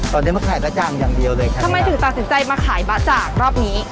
ตอนนี้มาขายบะจ่างอย่างเดียวเลยครับทำไมถึงตัดสินใจมาขายบ๊ะจากรอบนี้